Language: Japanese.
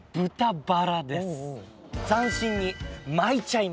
斬新に巻いちゃいます。